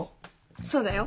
そうだよ。